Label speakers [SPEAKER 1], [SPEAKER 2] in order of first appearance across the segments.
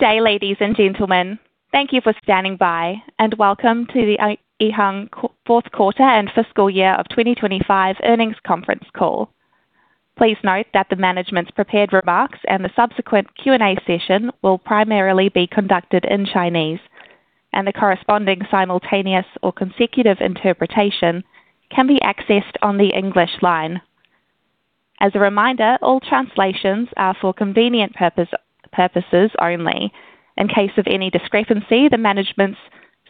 [SPEAKER 1] Good day, ladies and gentlemen. Thank you for standing by, and welcome to the EHang fourth quarter and fiscal year of 2025 earnings conference call. Please note that the management's prepared remarks and the subsequent Q&A session will primarily be conducted in Chinese, and the corresponding simultaneous or consecutive interpretation can be accessed on the English line. As a reminder, all translations are for convenient purposes only. In case of any discrepancy, the management's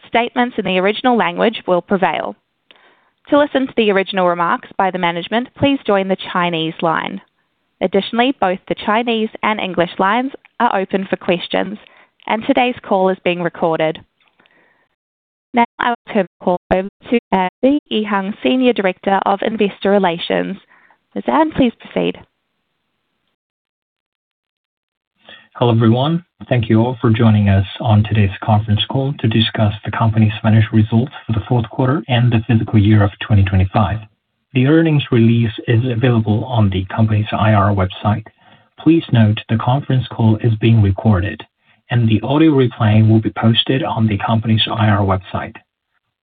[SPEAKER 1] statements in the original language will prevail. To listen to the original remarks by the management, please join the Chinese line. Additionally, both the Chinese and English lines are open for questions, and today's call is being recorded. Now I will turn the call over to Anne Ji, EHang's Senior Director of Investor Relations. Anne, please proceed.
[SPEAKER 2] Hello, everyone. Thank you all for joining us on today's conference call to discuss the company's financial results for the fourth quarter and the fiscal year of 2025. The earnings release is available on the company's IR website. Please note the conference call is being recorded, and the audio replay will be posted on the company's IR website.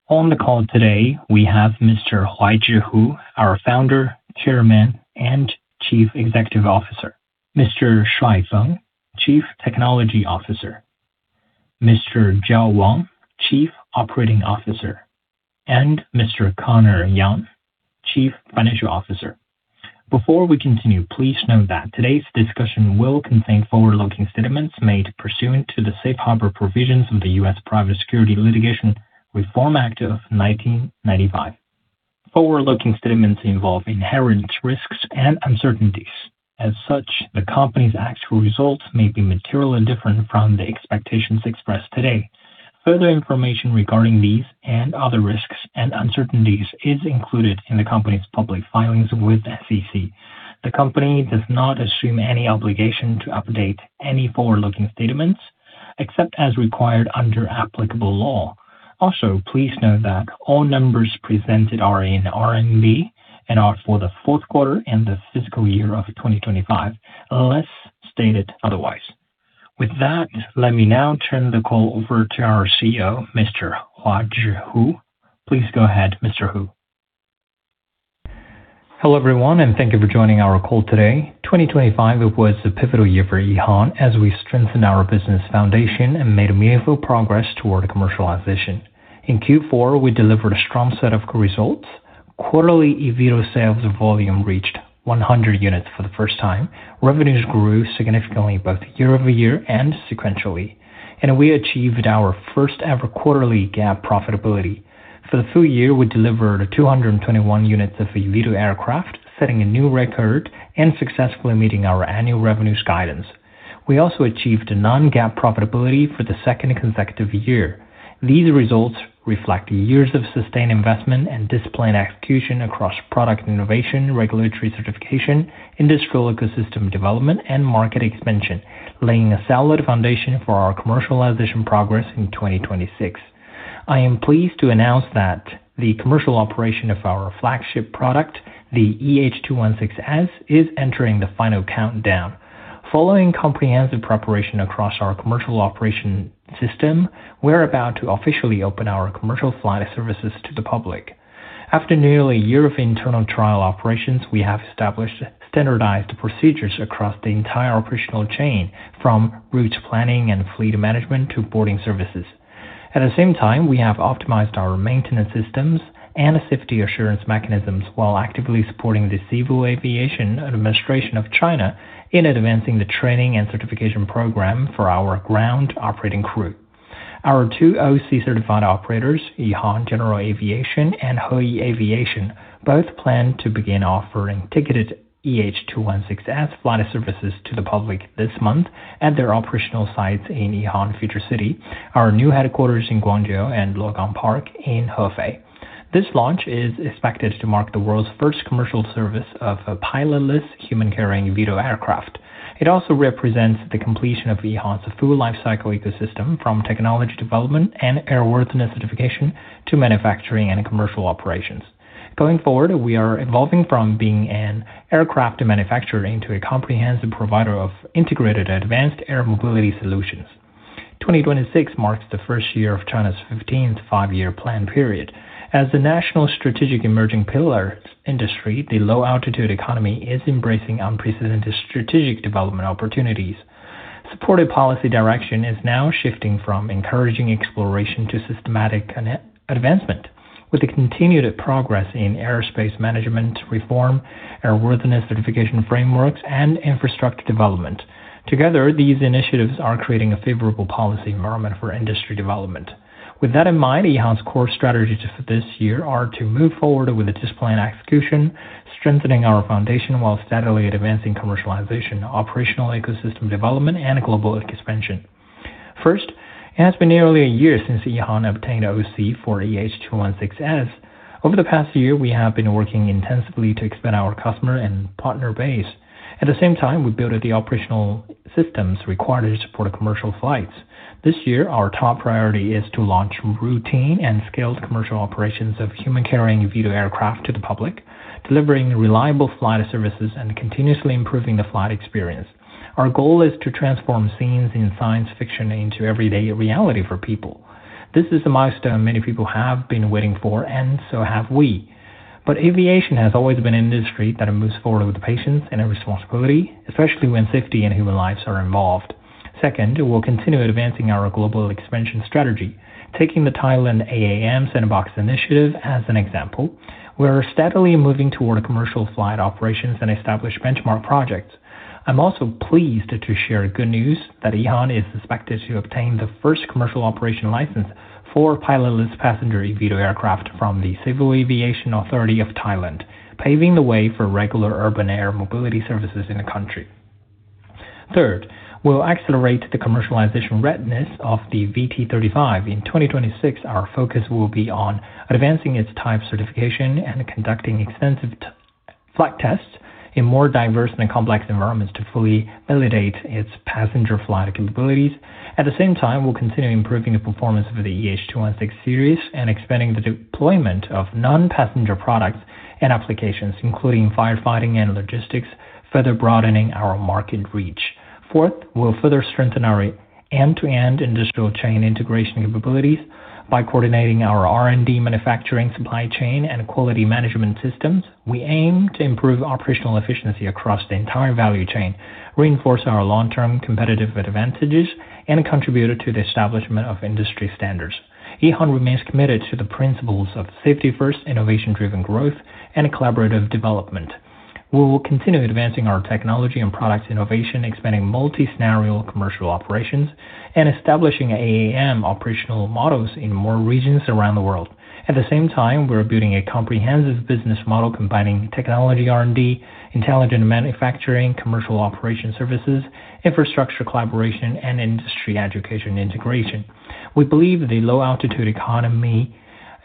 [SPEAKER 2] On the call today, we have Mr. Huazhi Hu, our Founder, Chairman, and Chief Executive Officer. Mr. Shuai Feng, Chief Technology Officer. Mr. Zhao Wang, Chief Operating Officer, and Mr. Conor Yang, Chief Financial Officer. Before we continue, please note that today's discussion will contain forward-looking statements made pursuant to the safe harbor provisions of the US Private Securities Litigation Reform Act of 1995. Forward-looking statements involve inherent risks and uncertainties. As such, the company's actual results may be materially different from the expectations expressed today. Further information regarding these and other risks and uncertainties is included in the company's public filings with SEC. The company does not assume any obligation to update any forward-looking statements except as required under applicable law. Also, please note that all numbers presented are in RMB and are for the fourth quarter and the fiscal year of 2025, unless stated otherwise. With that, let me now turn the call over to our CEO, Mr. Huazhi Hu. Please go ahead, Mr. Hu.
[SPEAKER 3] Hello, everyone, and thank you for joining our call today. 2025 was a pivotal year for EHang as we strengthened our business foundation and made meaningful progress toward commercialization. In Q4, we delivered a strong set of results. Quarterly eVTOL sales volume reached 100 units for the first time. Revenues grew significantly both year-over-year and sequentially, and we achieved our first-ever quarterly GAAP profitability. For the full year, we delivered 221 units of eVTOL aircraft, setting a new record and successfully meeting our annual revenues guidance. We also achieved non-GAAP profitability for the second consecutive year. These results reflect years of sustained investment and disciplined execution across product innovation, regulatory certification, industrial ecosystem development, and market expansion, laying a solid foundation for our commercialization progress in 2026. I am pleased to announce that the commercial operation of our flagship product, the EH216-S, is entering the final countdown. Following comprehensive preparation across our commercial operation system, we're about to officially open our commercial flight services to the public. After nearly a year of internal trial operations, we have established standardized procedures across the entire operational chain, from route planning and fleet management to boarding services. At the same time, we have optimized our maintenance systems and safety assurance mechanisms while actively supporting the Civil Aviation Administration of China in advancing the training and certification program for our ground operating crew. Our two OC certified operators, EHang General Aviation and HeYi Aviation, both plan to begin offering ticketed EH216-S flight services to the public this month at their operational sites in EHang Future City, our new headquarters in Guangzhou and Luogang Park in Hefei. This launch is expected to mark the world's first commercial service of a pilotless human-carrying VTOL aircraft. It also represents the completion of EHang's full lifecycle ecosystem from technology development and airworthiness certification to manufacturing and commercial operations. Going forward, we are evolving from being an aircraft manufacturer into a comprehensive provider of integrated advanced air mobility solutions. 2026 marks the first year of China's Fifteenth Five-Year Plan period. As the national strategic emerging pillar industry, the low-altitude economy is embracing unprecedented strategic development opportunities. Supported policy direction is now shifting from encouraging exploration to systematic advancement, with the continued progress in airspace management reform, airworthiness certification frameworks, and infrastructure development. Together, these initiatives are creating a favorable policy environment for industry development. With that in mind, EHang's core strategies for this year are to move forward with a disciplined execution, strengthening our foundation while steadily advancing commercialization, operational ecosystem development, and global expansion. First, it has been nearly a year since EHang obtained OC for EH216-S. Over the past year, we have been working intensively to expand our customer and partner base. At the same time, we built the operational systems required to support commercial flights. This year, our top priority is to launch routine and scaled commercial operations of human-carrying VTOL aircraft to the public, delivering reliable flight services, and continuously improving the flight experience. Our goal is to transform scenes in science fiction into everyday reality for people. This is a milestone many people have been waiting for, and so have we. But aviation has always been an industry that moves forward with patience and responsibility, especially when safety and human lives are involved. Second, we'll continue advancing our global expansion strategy. Taking the Thailand AAM Sandbox Initiative as an example, we're steadily moving toward commercial flight operations and established benchmark projects. I'm also pleased to share good news that EHang is expected to obtain the first commercial operation license for pilotless passenger eVTOL aircraft from the Civil Aviation Authority of Thailand, paving the way for regular urban air mobility services in the country. Third, we'll accelerate the commercialization readiness of the VT-35. In 2026, our focus will be on advancing its type certification and conducting extensive flight tests in more diverse and complex environments to fully validate its passenger flight capabilities. At the same time, we'll continue improving the performance of the EH216 series and expanding the deployment of non-passenger products and applications, including firefighting and logistics, further broadening our market reach. Fourth, we'll further strengthen our end-to-end industrial chain integration capabilities by coordinating our R&D manufacturing, supply chain, and quality management systems. We aim to improve operational efficiency across the entire value chain, reinforce our long-term competitive advantages, and contribute to the establishment of industry standards. EHang remains committed to the principles of safety first, innovation-driven growth, and collaborative development. We will continue advancing our technology and product innovation, expanding multi-scenario commercial operations, and establishing AAM operational models in more regions around the world. At the same time, we're building a comprehensive business model combining technology R&D, intelligent manufacturing, commercial operation services, infrastructure collaboration, and industry education integration. We believe the low-altitude economy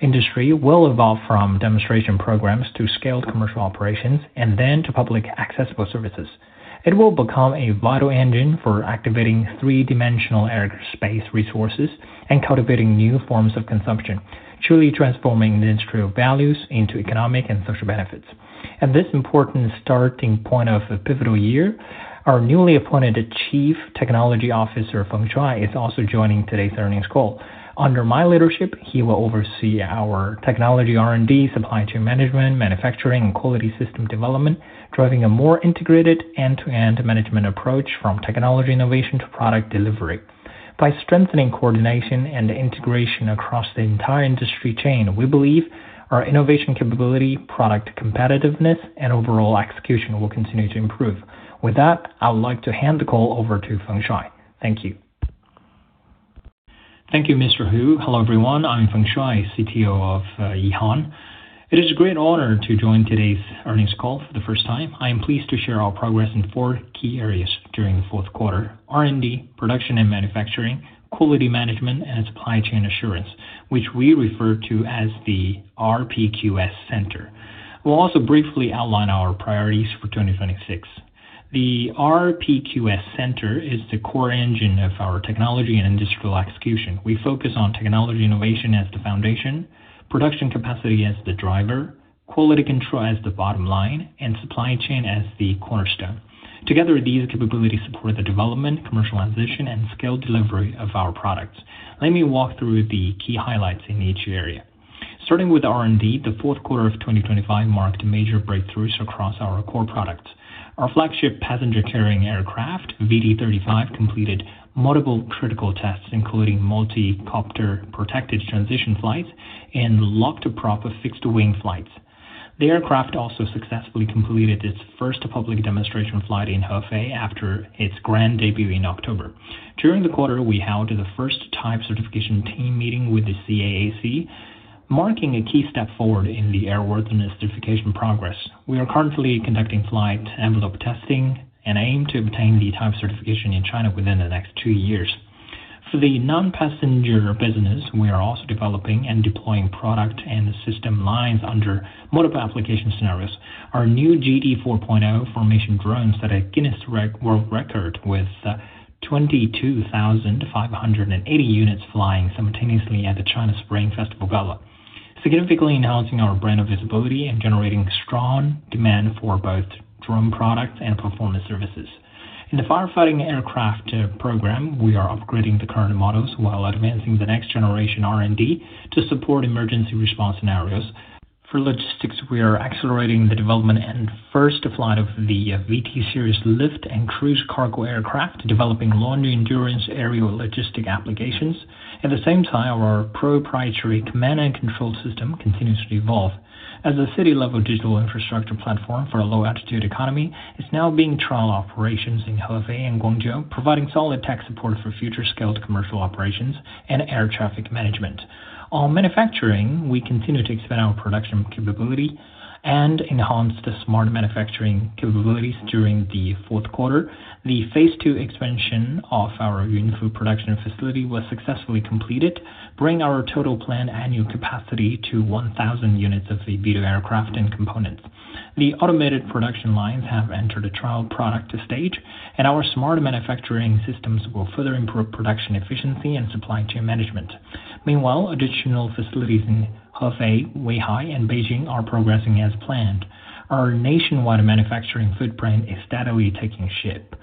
[SPEAKER 3] industry will evolve from demonstration programs to scaled commercial operations and then to public accessible services. It will become a vital engine for activating three-dimensional aerospace resources and cultivating new forms of consumption, truly transforming the industry values into economic and social benefits. At this important starting point of a pivotal year, our newly appointed Chief Technology Officer, Shuai Feng, is also joining today's earnings call. Under my leadership, he will oversee our technology R&D, supply chain management, manufacturing, and quality system development, driving a more integrated end-to-end management approach from technology innovation to product delivery. By strengthening coordination and integration across the entire industry chain, we believe our innovation capability, product competitiveness, and overall execution will continue to improve. With that, I would like to hand the call over to Shuai Feng. Thank you.
[SPEAKER 4] Thank you, Mr. Hu. Hello, everyone. I'm Shuai Feng, CTO of EHang. It is a great honor to join today's earnings call for the first time. I am pleased to share our progress in four key areas during the fourth quarter: R&D, production and manufacturing, quality management, and supply chain assurance, which we refer to as the RPQS Center. We'll also briefly outline our priorities for 2026. The RPQS Center is the core engine of our technology and industrial execution. We focus on technology innovation as the foundation, production capacity as the driver, quality control as the bottom line, and supply chain as the cornerstone. Together, these capabilities support the development, commercialization, and scale delivery of our products. Let me walk through the key highlights in each area. Starting with R&D, the fourth quarter of 2025 marked major breakthroughs across our core products. Our flagship passenger carrying aircraft, VT-35, completed multiple critical tests, including multi-copter protected transition flights and locked prop fixed wing flights. The aircraft also successfully completed its first public demonstration flight in Hefei after its grand debut in October. During the quarter, we held the first type certification team meeting with the CAAC, marking a key step forward in the airworthiness certification progress. We are currently conducting flight envelope testing and aim to obtain the type certification in China within the next two years. For the non-passenger business, we are also developing and deploying product and system lines under multiple application scenarios. Our new GD 4.0 formation drone set a Guinness World Record with 22,500 units flying simultaneously at the China Spring Festival Gala, significantly enhancing our brand visibility and generating strong demand for both drone products and performance services. In the firefighting aircraft program, we are upgrading the current models while advancing the next generation R&D to support emergency response scenarios. For logistics, we are accelerating the development and first flight of the VT series lift-and-cruise cargo aircraft, developing long-endurance aerial logistic applications. At the same time, our proprietary command and control system continues to evolve. As a city-level digital infrastructure platform for a low-altitude economy, it's now in trial operations in Hefei and Guangzhou, providing solid tech support for future scaled commercial operations and air traffic management. On manufacturing, we continue to expand our production capability and enhance the smart manufacturing capabilities during the fourth quarter. The phase two expansion of our Yunfu production facility was successfully completed, bringing our total planned annual capacity to 1,000 units of the eVTOL aircraft and components. The automated production lines have entered a trial product stage, and our smart manufacturing systems will further improve production efficiency and supply chain management. Meanwhile, additional facilities in Hefei, Weihai, and Beijing are progressing as planned. Our nationwide manufacturing footprint is steadily taking shape.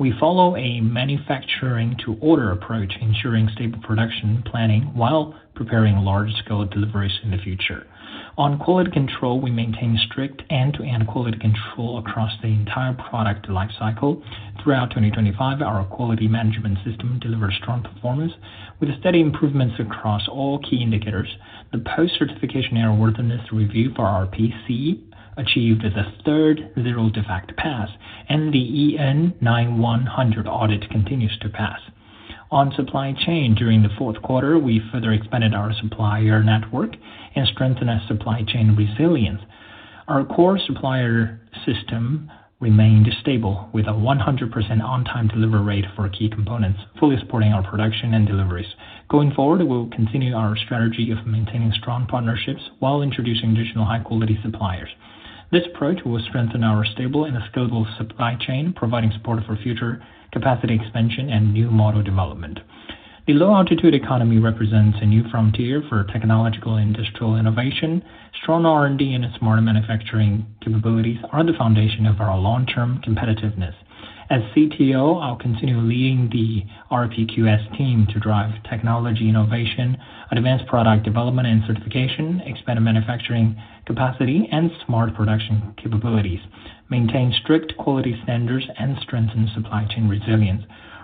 [SPEAKER 4] We follow a manufacturing to order approach, ensuring stable production planning while preparing large-scale deliveries in the future. On quality control, we maintain strict end-to-end quality control across the entire product lifecycle. Throughout 2025, our quality management system delivered strong performance with steady improvements across all key indicators. The post-certification airworthiness review for our RPQS achieved the third zero defect pass, and the EN9100 audit continues to pass. On supply chain, during the fourth quarter, we further expanded our supplier network and strengthened our supply chain resilience. Our core supplier system remained stable with a 100% on-time delivery rate for key components, fully supporting our production and deliveries. Going forward, we will continue our strategy of maintaining strong partnerships while introducing additional high-quality suppliers. This approach will strengthen our stable and scalable supply chain, providing support for future capacity expansion and new model development. The low-altitude economy represents a new frontier for technological and digital innovation. Strong R&D and smart manufacturing capabilities are the foundation of our long-term competitiveness. As CTO, I'll continue leading the RPQS team to drive technology innovation, advanced product development and certification, expand manufacturing capacity and smart production capabilities, maintain strict quality standards, and strengthen supply chain resilience.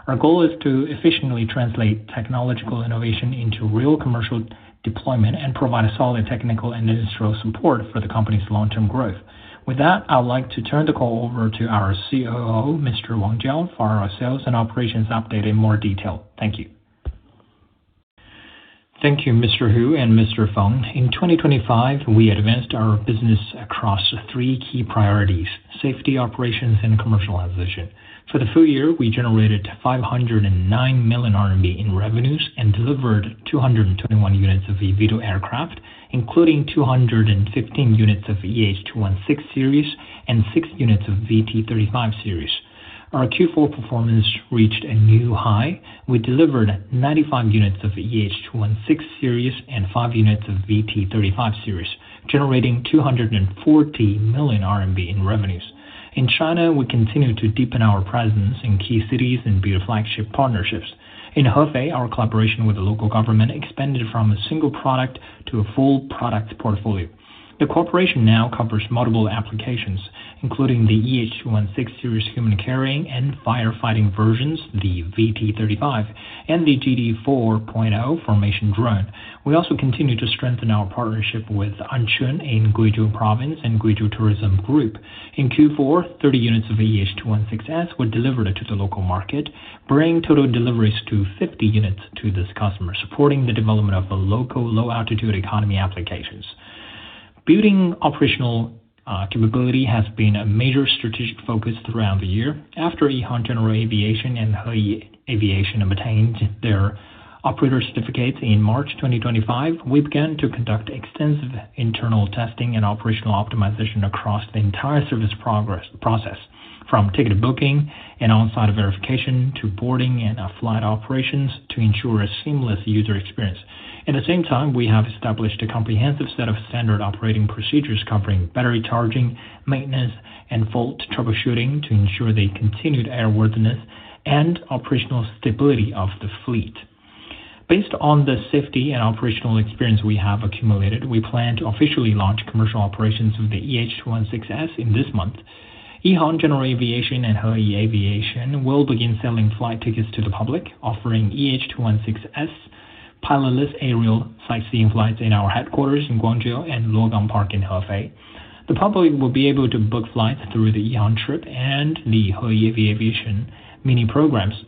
[SPEAKER 4] Our goal is to efficiently translate technological innovation into real commercial deployment and provide a solid technical and industrial support for the company's long-term growth. With that, I would like to turn the call over to our COO, Mr. Zhao Wang, for our sales and operations update in more detail. Thank you.
[SPEAKER 5] Thank you, Mr. Hu and Mr. Feng. In 2025, we advanced our business across three key priorities, safety, operations, and commercialization. For the full year, we generated 509 million RMB in revenues and delivered 221 units of eVTOL aircraft, including 215 units of EH216 series and 6 units of VT-35 series. Our Q4 performance reached a new high. We delivered 95 units of EH216 series and 5 units of VT-35 series, generating 240 million RMB in revenues. In China, we continue to deepen our presence in key cities and build flagship partnerships. In Hefei, our collaboration with the local government expanded from a single product to a full product portfolio. The corporation now covers multiple applications, including the EH216 series human carrying and firefighting versions, the VT-35, and the GD 4.0 Formation Drone. We also continue to strengthen our partnership with Anshun in Guizhou Province and Guizhou Tourism Group. In Q4, 30 units of EH216-S were delivered to the local market, bringing total deliveries to 50 units to this customer, supporting the development of the local low-altitude economy applications. Building operational capability has been a major strategic focus throughout the year. After EHang General Aviation and HeYi Aviation obtained their operator certificates in March 2025, we began to conduct extensive internal testing and operational optimization across the entire service process, from ticket booking and on-site verification to boarding and flight operations to ensure a seamless user experience. At the same time, we have established a comprehensive set of standard operating procedures covering battery charging, maintenance, and fault troubleshooting to ensure the continued airworthiness and operational stability of the fleet. Based on the safety and operational experience we have accumulated, we plan to officially launch commercial operations of the EH216-S in this month. EHang General Aviation and HeYi Aviation will begin selling flight tickets to the public, offering EH216-S pilotless aerial sightseeing flights in our headquarters in Guangzhou and Luogang Park in Hefei. The public will be able to book flights through the EHang Trip and the HeYi Aviation mini programs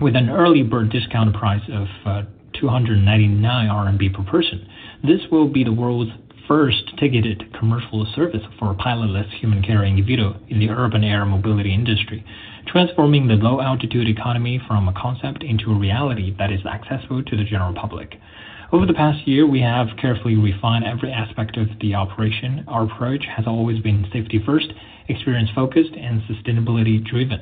[SPEAKER 5] with an early bird discount price of 299 RMB per person. This will be the world's first ticketed commercial service for pilotless human-carrying eVTOL in the urban air mobility industry, transforming the low-altitude economy from a concept into a reality that is accessible to the general public. Over the past year, we have carefully refined every aspect of the operation. Our approach has always been safety first, experience-focused, and sustainability driven.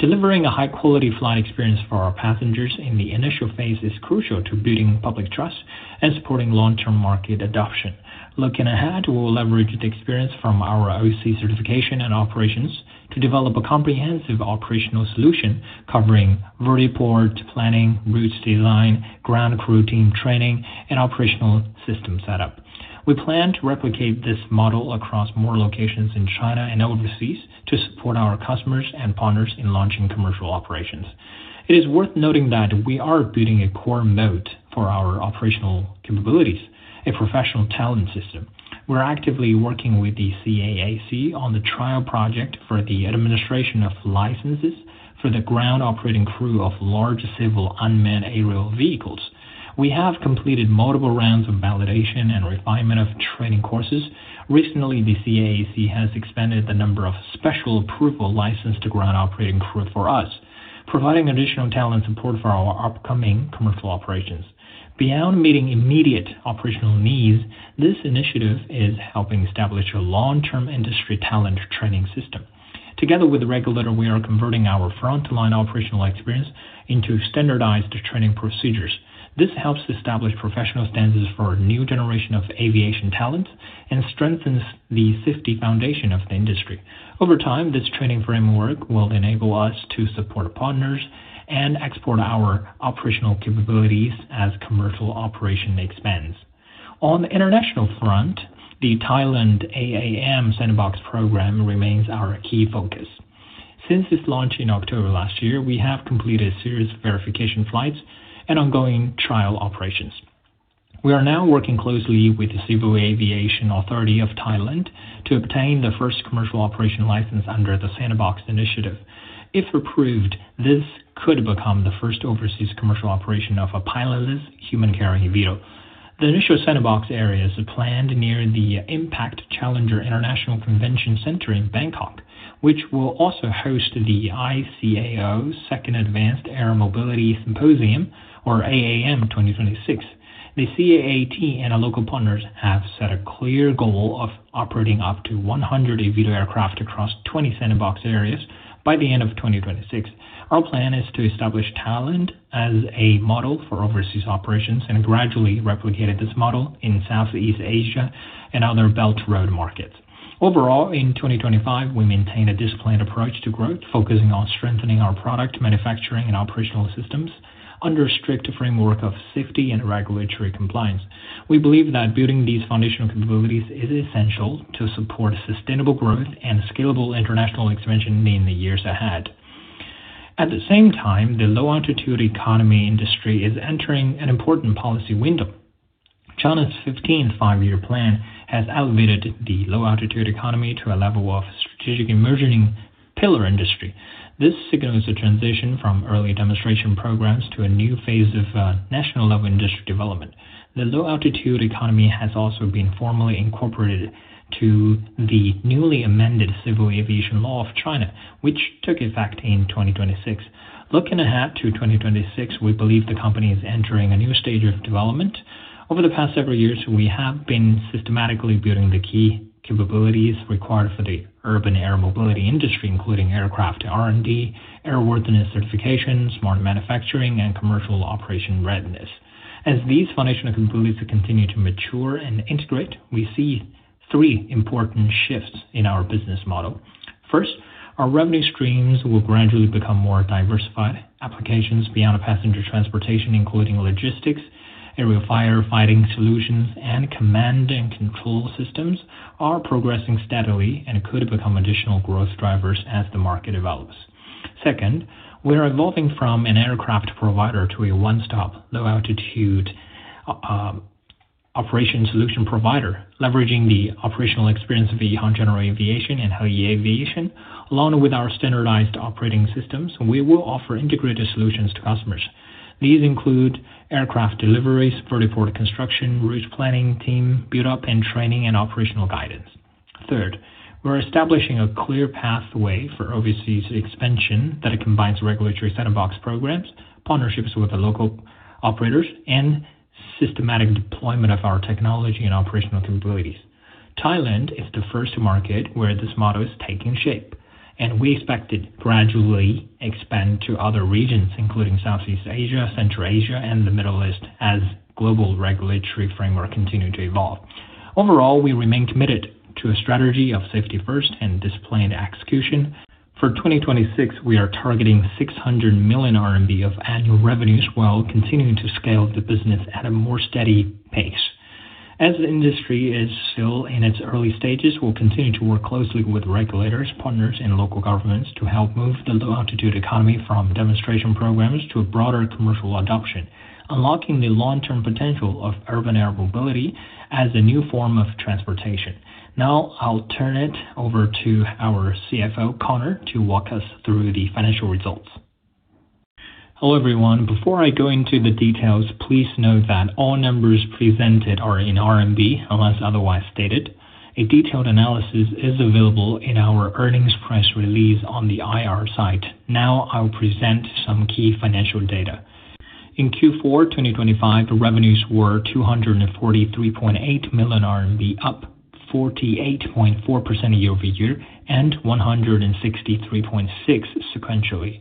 [SPEAKER 5] Delivering a high quality flight experience for our passengers in the initial phase is crucial to building public trust and supporting long-term market adoption. Looking ahead, we will leverage the experience from our AOC certification and operations to develop a comprehensive operational solution covering vertiport planning, routes design, ground crew team training, and operational system setup. We plan to replicate this model across more locations in China and overseas to support our customers and partners in launching commercial operations. It is worth noting that we are building a core mode for our operational capabilities, a professional talent system. We're actively working with the CAAC on the trial project for the administration of licenses for the ground operating crew of large civil unmanned aerial vehicles. We have completed multiple rounds of validation and refinement of training courses. Recently, the CAAC has expanded the number of special approval license to ground operating crew for us, providing additional talent support for our upcoming commercial operations. Beyond meeting immediate operational needs, this initiative is helping establish a long-term industry talent training system. Together with the regulator, we are converting our frontline operational experience into standardized training procedures. This helps establish professional standards for a new generation of aviation talent and strengthens the safety foundation of the industry. Over time, this training framework will enable us to support partners and export our operational capabilities as commercial operation expands. On the international front, the Thailand AAM Sandbox Initiative remains our key focus. Since its launch in October last year, we have completed a series of verification flights and ongoing trial operations. We are now working closely with the Civil Aviation Authority of Thailand to obtain the first commercial operation license under the Sandbox Initiative. If approved, this could become the first overseas commercial operation of a pilotless human-carrying eVTOL. The initial sandbox area is planned near the IMPACT Challenger in Bangkok, which will also host the ICAO Second Advanced Air Mobility Symposium or AAM 2026. The CAAT and our local partners have set a clear goal of operating up to 100 eVTOL aircraft across 20 sandbox areas by the end of 2026. Our plan is to establish Thailand as a model for overseas operations and gradually replicate this model in Southeast Asia and other Belt and Road markets. Overall, in 2025, we maintain a disciplined approach to growth, focusing on strengthening our product manufacturing and operational systems under a strict framework of safety and regulatory compliance. We believe that building these foundational capabilities is essential to support sustainable growth and scalable international expansion in the years ahead. At the same time, the low-altitude economy industry is entering an important policy window. China's 15th Five-Year Plan has elevated the low-altitude economy to a level of strategic emerging pillar industry. This signals a transition from early demonstration programs to a new phase of national level industry development. The low-altitude economy has also been formally incorporated to the newly amended Civil Aviation Law of China, which took effect in 2026. Looking ahead to 2026, we believe the company is entering a new stage of development. Over the past several years, we have been systematically building the key capabilities required for the urban air mobility industry, including aircraft R&D, airworthiness certification, smart manufacturing, and commercial operation readiness. As these foundational capabilities continue to mature and integrate, we see three important shifts in our business model. First, our revenue streams will gradually become more diversified. Applications beyond passenger transportation, including logistics, aerial firefighting solutions, and command and control systems, are progressing steadily and could become additional growth drivers as the market develops. Second, we are evolving from an aircraft provider to a one-stop low-altitude operation solution provider. Leveraging the operational experience of EHang General Aviation and HeYi Aviation, along with our standardized operating systems, we will offer integrated solutions to customers. These include aircraft deliveries, vertiport construction, route planning, team build-up and training, and operational guidance. Third, we're establishing a clear pathway for overseas expansion that combines regulatory sandbox programs, partnerships with the local operators, and systematic deployment of our technology and operational capabilities. Thailand is the first market where this model is taking shape, and we expect it gradually expand to other regions, including Southeast Asia, Central Asia, and the Middle East as global regulatory framework continue to evolve. Overall, we remain committed to a strategy of safety first and disciplined execution. For 2026, we are targeting 600 million RMB of annual revenues while continuing to scale the business at a more steady pace. As the industry is still in its early stages, we'll continue to work closely with regulators, partners, and local governments to help move the low-altitude economy from demonstration programs to a broader commercial adoption, unlocking the long-term potential of urban air mobility as a new form of transportation. Now I'll turn it over to our CFO, Conor, to walk us through the financial results.
[SPEAKER 6] Hello, everyone. Before I go into the details, please note that all numbers presented are in RMB unless otherwise stated. A detailed analysis is available in our earnings press release on the IR site. Now I will present some key financial data. In Q4 2025, the revenues were 243.8 million RMB, up 48.4% year over year and 163.6% sequentially.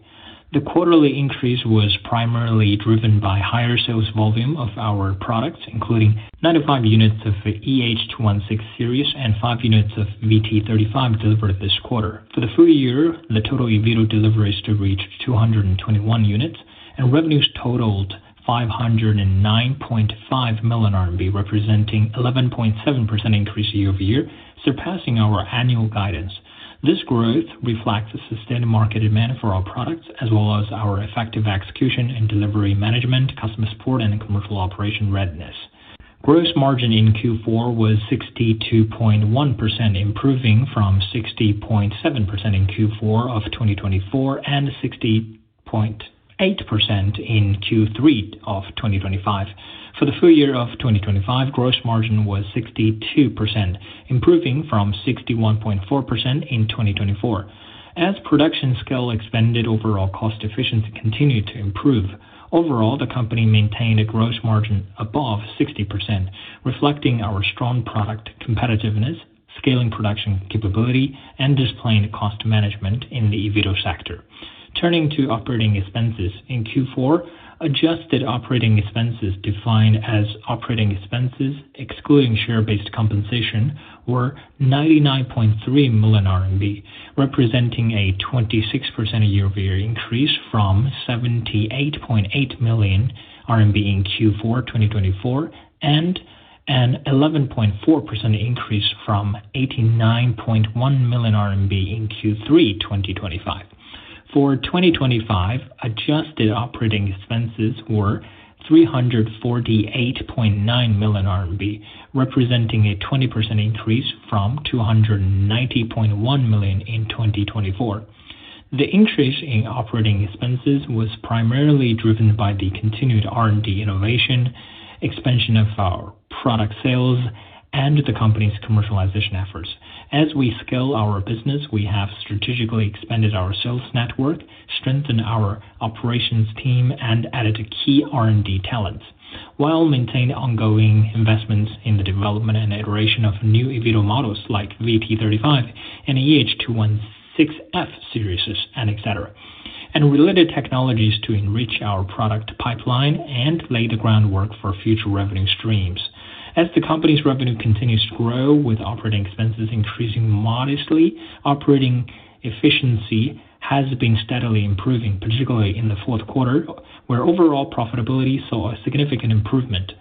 [SPEAKER 6] The quarterly increase was primarily driven by higher sales volume of our products, including 95 units of EH216 series and 5 units of VT-35 delivered this quarter. For the full year, the total eVTOL deliveries to reach 221 units and revenues totaled 509.5 million RMB, representing 11.7% increase year-over-year, surpassing our annual guidance. This growth reflects the sustained market demand for our products as well as our effective execution and delivery management, customer support and commercial operation readiness. Gross margin in Q4 was 62.1%, improving from 60.7% in Q4 of 2024 and 60.8% in Q3 of 2025. For the full year of 2025, gross margin was 62%, improving from 61.4% in 2024. As production scale expanded, overall cost efficiency continued to improve. Overall, the company maintained a gross margin above 60%, reflecting our strong product competitiveness, scaling production capability and disciplined cost management in the eVTOL sector. Turning to operating expenses. In Q4, adjusted operating expenses, defined as operating expenses, excluding share-based compensation, were 99.3 million RMB, representing a 26% year-over-year increase from 78.8 million RMB in Q4 2024, and an 11.4% increase from 89.1 million RMB in Q3 2025. For 2025, adjusted operating expenses were 348.9 million RMB, representing a 20% increase from 290.1 million in 2024. The increase in operating expenses was primarily driven by the continued R&D innovation, expansion of our product sales, and the company's commercialization efforts. As we scale our business, we have strategically expanded our sales network, strengthened our operations team, and added key R&D talents while maintaining ongoing investments in the development and iteration of new eVTOL models like VT-35 and EH216-F series and et cetera, and related technologies to enrich our product pipeline and lay the groundwork for future revenue streams. As the company's revenue continues to grow, with operating expenses increasing modestly, operating efficiency has been steadily improving, particularly in the fourth quarter, where overall profitability saw a significant improvement.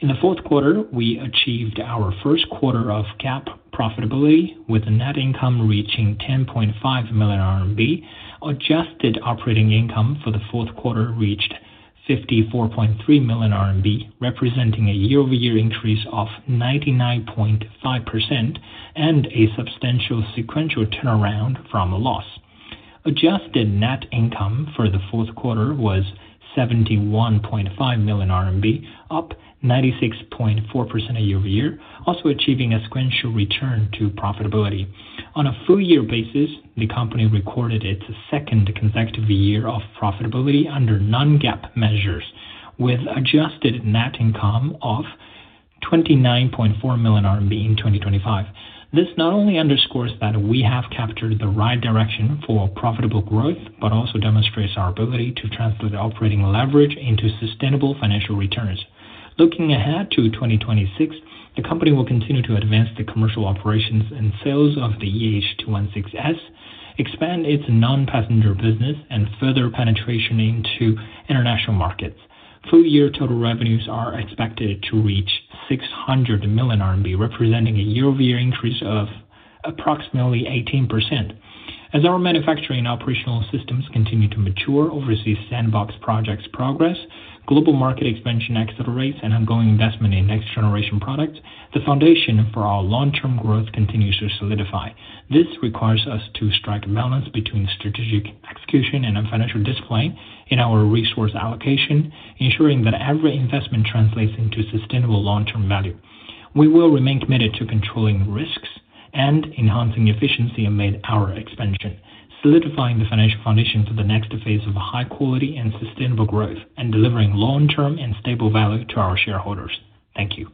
[SPEAKER 6] In the fourth quarter, we achieved our first quarter of GAAP profitability, with net income reaching 10.5 million RMB. Adjusted operating income for the fourth quarter reached 54.3 million RMB, representing a year-over-year increase of 99.5% and a substantial sequential turnaround from a loss. Adjusted net income for the fourth quarter was 71.5 million RMB, up 96.4% year-over-year, also achieving a sequential return to profitability. On a full year basis, the company recorded its second consecutive year of profitability under non-GAAP measures, with adjusted net income of 29.4 million RMB in 2025. This not only underscores that we have captured the right direction for profitable growth, but also demonstrates our ability to translate operating leverage into sustainable financial returns. Looking ahead to 2026, the company will continue to advance the commercial operations and sales of the EH216-S, expand its non-passenger business, and further penetration into international markets. Full year total revenues are expected to reach 600 million RMB, representing a year-over-year increase of approximately 18%. As our manufacturing and operational systems continue to mature, overseas sandbox projects progress, global market expansion accelerates, and ongoing investment in next generation products, the foundation for our long-term growth continues to solidify. This requires us to strike a balance between strategic execution and financial discipline in our resource allocation, ensuring that every investment translates into sustainable long-term value. We will remain committed to controlling risks and enhancing efficiency amid our expansion, solidifying the financial foundation for the next phase of high quality and sustainable growth, and delivering long-term and stable value to our shareholders. Thank you.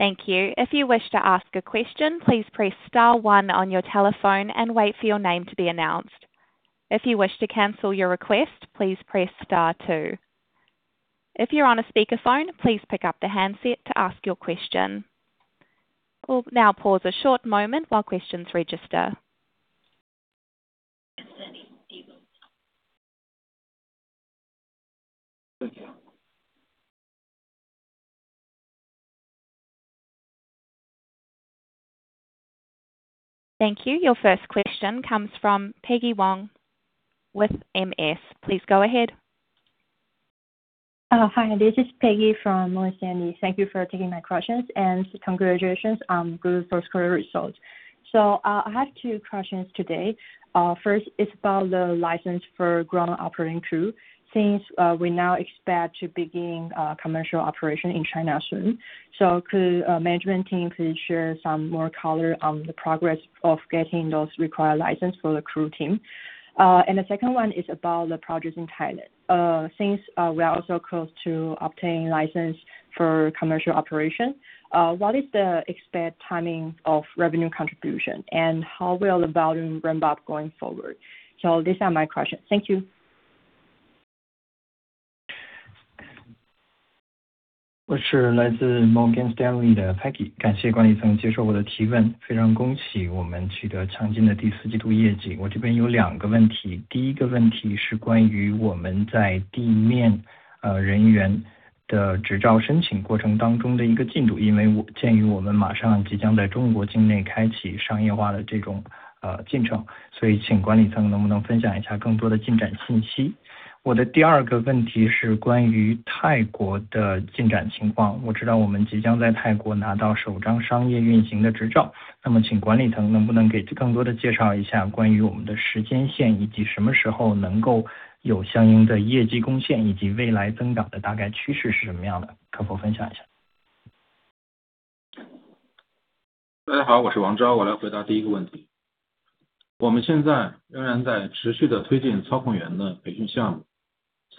[SPEAKER 1] Thank you. If you wish to ask a question, please press star one on your telephone and wait for your name to be announced. If you wish to cancel your request, please press star two. If you're on a speakerphone, please pick up the handset to ask your question. We'll now pause a short moment while questions register. Thank you. Your first question comes from Cindy Huang with Morgan Stanley. Please go ahead.
[SPEAKER 7] Hi, this is Cindy Huang from Morgan Stanley. Thank you for taking my questions and congratulations on good first quarter results. I have two questions today. First it's about the license for ground operating crew. Since we now expect to begin commercial operation in China soon, could management team please share some more color on the progress of getting those required license for the crew team? And the second one is about the projects in Thailand. Since we are also close to obtaining license for commercial operation, what is the expected timing of revenue contribution, and how will the volume ramp up going forward? These are my questions. Thank you.
[SPEAKER 8] 我是来自Morgan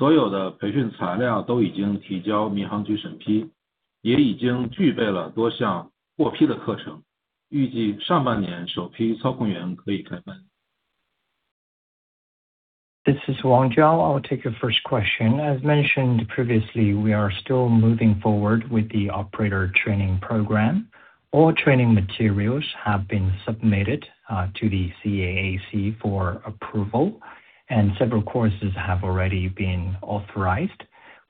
[SPEAKER 5] 大家好，我是王昭，我来回答第一个问题。我们现在仍然在持续地推进操控员的培训项目，所有的培训材料都已经提交民航局审批，也已经具备了多项获批的课程，预计上半年首批操控员可以开班。
[SPEAKER 8] This is Zhao Wang. I'll take the first question. As mentioned previously, we are still moving forward with the operator training program. All training materials have been submitted to the CAAC for approval, and several courses have already been authorized.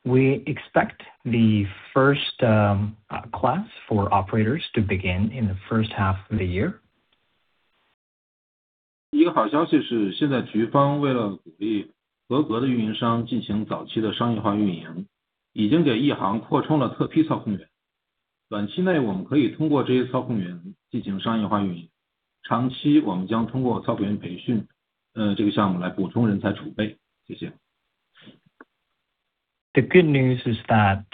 [SPEAKER 8] We expect the first class for operators to begin in the first half of the year.
[SPEAKER 5] 一个好消息是现在局方为了鼓励合格的运营商进行早期的商业化运营，已经给一航扩充了特批操控员。短期内我们可以通过这些操控员进行商业化运营，长期我们将通过操控员培训这个项目来补充人才储备。谢谢。
[SPEAKER 8] The good news is that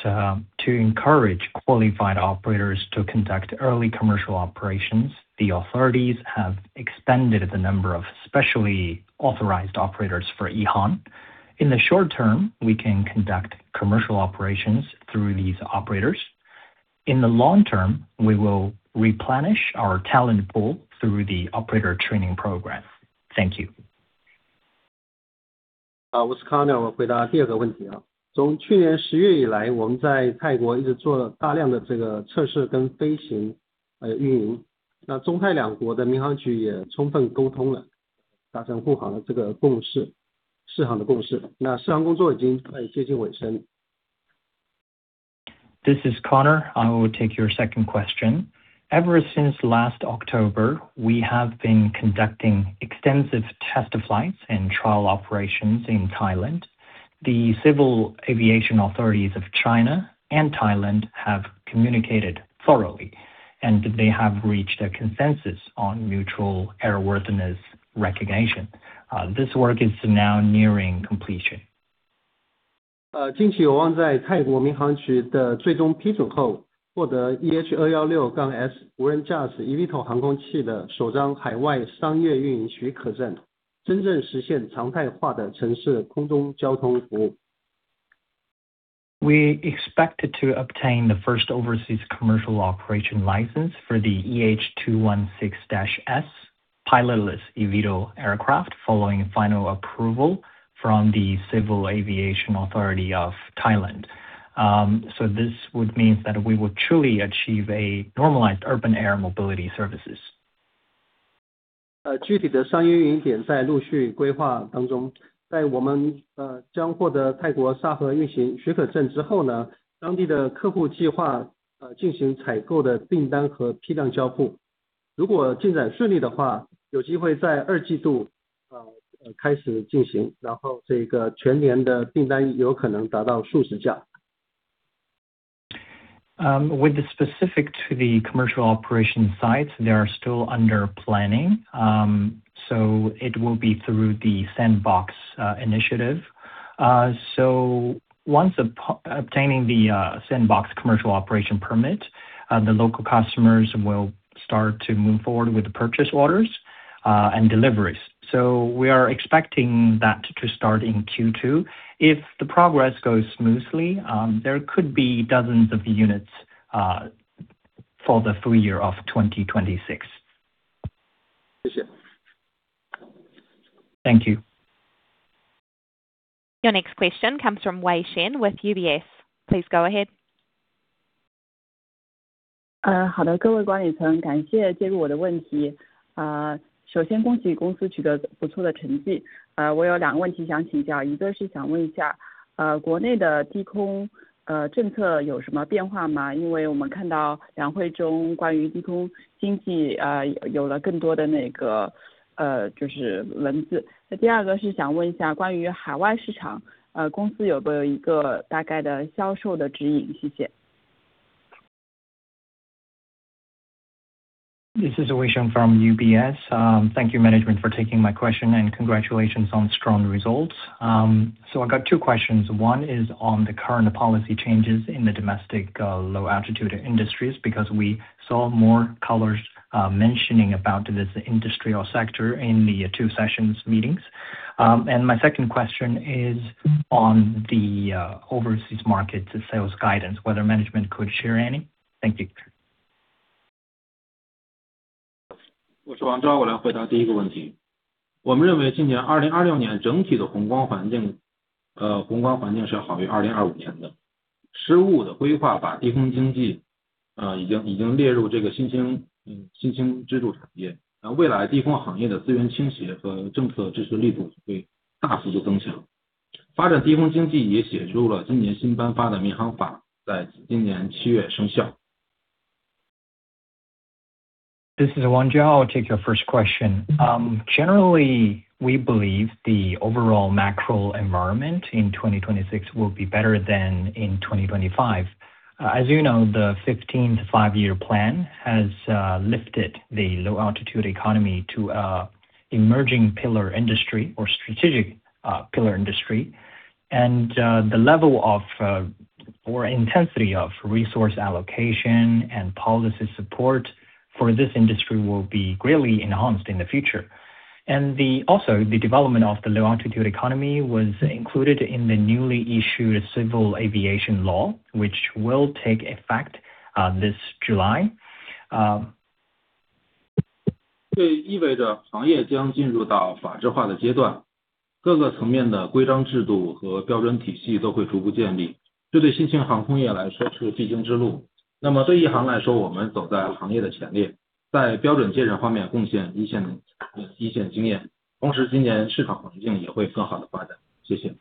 [SPEAKER 8] to encourage qualified operators to conduct early commercial operations, the authorities have extended the number of specially authorized operators for EHang. In the short term, we can conduct commercial operations through these operators. In the long term, we will replenish our talent pool through the operator training program. Thank you.
[SPEAKER 6] 我是Conor，我回答第二个问题啊。从去年十月以来，我们在泰国一直做了大量的这个测试跟飞行、运营，那中泰两国的民航局也充分沟通了，达成互航的这个共识，适航的共识，那适航工作已经在接近尾声。
[SPEAKER 8] This is Conor Yang. I will take your second question. Ever since last October, we have been conducting extensive test flights and trial operations in Thailand. The civil aviation authorities of China and Thailand have communicated thoroughly and they have reached a consensus on mutual airworthiness recognition. This work is now nearing completion.
[SPEAKER 5] 近期，有望在泰国民航局的最终批准后，获得EH216-S无人驾驶eVTOL航空器的首张海外商业运营许可证，真正实现常态化的城市空中交通服务。
[SPEAKER 8] We expected to obtain the first overseas commercial operation license for the EH216-S pilotless eVTOL aircraft following final approval from the Civil Aviation Authority of Thailand. This would mean that we would truly achieve a normalized urban air mobility services.
[SPEAKER 5] 具体的商业运营点在陆续规划当中，在我们将获得泰国沙盒运行许可证之后，当地的客户计划进行采购的订单和批量交付。如果进展顺利的话，有机会在二季度开始进行，然后这个全年的订单有可能达到数十架。
[SPEAKER 8] With respect to the commercial operation sites, they are still under planning. It will be through the sandbox initiative. Upon obtaining the sandbox commercial operation permit, the local customers will start to move forward with the purchase orders and deliveries. We are expecting that to start in Q2. If the progress goes smoothly, there could be dozens of units for the full year of 2026.
[SPEAKER 5] 谢谢。
[SPEAKER 8] Thank you.
[SPEAKER 1] Your next question comes from Wei Shen with UBS. Please go ahead.
[SPEAKER 8] This is Wei Shen from UBS. Thank you management for taking my question and congratulations on strong results. I've got two questions. One is on the current policy changes in the domestic low-altitude industries, because we saw more color mentioning about this industry or sector in the Two Sessions meetings. My second question is on the overseas markets sales guidance, whether management could share any? Thank you. This is Zhao Wang, I'll take your first question. Generally, we believe the overall macro environment in 2026 will be better than in 2025. As you know, the 15th Five-Year Plan has lifted the low-altitude economy to an emerging pillar industry or strategic pillar industry. The level or intensity of resource allocation and policy support for this industry will be greatly enhanced in the future. The development of the low-altitude economy was included in the newly issued Civil Aviation Law, which will take effect this July.
[SPEAKER 5] 这意味着行业将进入到法制化的阶段，各个层面的规章制度和标准体系都会逐步建立，这对新兴航空业来说是必经之路。那么对一航来说，我们走在行业的前列，在标准建设方面贡献一线经验。同时今年市场环境也会更好地发展。谢谢。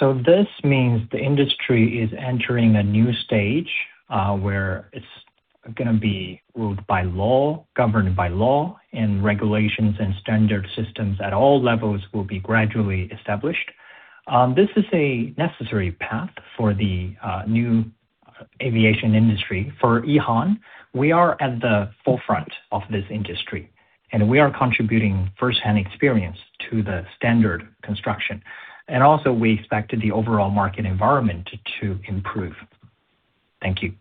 [SPEAKER 8] This means the industry is entering a new stage, where it's gonna be ruled by law, governed by law, and regulations and standard systems at all levels will be gradually established. This is a necessary path for the new aviation industry. For EHang, we are at the forefront of this industry, and we are contributing first-hand experience to the standard construction. Also we expect the overall market environment to improve. Thank you.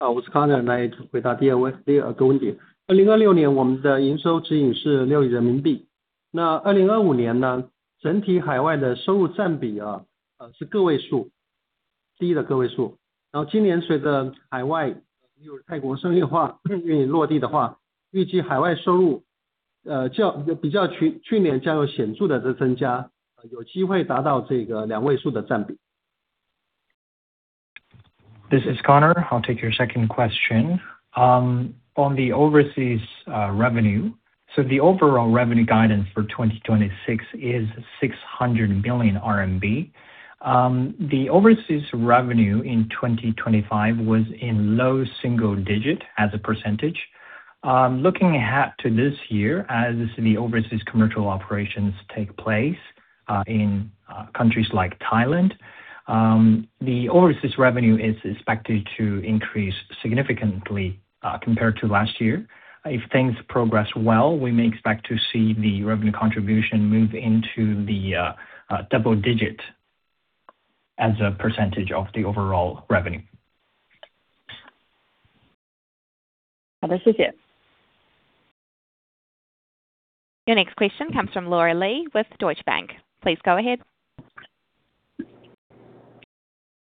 [SPEAKER 6] 我是Conor，来回答第二个问题。2026年我们的营收指引是六亿人民币。那2025年呢，整体海外的收入占比是个位数，低的个位数。然后今年随着海外例如泰国商业化运营落地的话，预计海外收入较去年将有显著的增加，有机会达到两位数的占比。
[SPEAKER 8] This is Conor, I'll take your second question. On the overseas revenue. The overall revenue guidance for 2026 is 600 million RMB. The overseas revenue in 2025 was in low single-digit%. Looking ahead to this year, as the overseas commercial operations take place in countries like Thailand, the overseas revenue is expected to increase significantly compared to last year. If things progress well, we may expect to see the revenue contribution move into the double-digit% of the overall revenue.
[SPEAKER 9] 好的，谢谢。
[SPEAKER 1] Your next question comes from Laura Li with Deutsche Bank. Please go ahead.